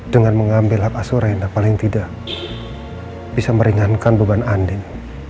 dengan mengambil hak asuraya yang paling tidak bisa meringankan beban andin